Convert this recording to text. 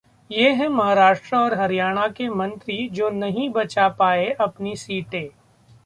ये हैं महाराष्ट्र और हरियाणा के मंत्री जो नहीं बचा पाए अपनी सीटें